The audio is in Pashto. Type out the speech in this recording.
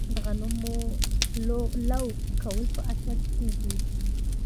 د غنمو لو کول په اشر کیږي.